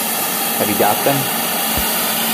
You have got them?